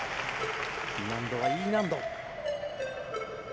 難度はＥ難度。